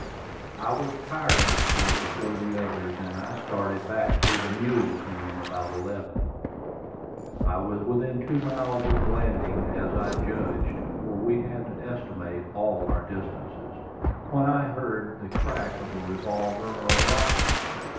I was tired of the sport before the others, and I started back for the mule team about eleven. I was within two miles of the landing, as I judged, for we had to estimate all our distances, when I heard the crack of a revolver or a rifle.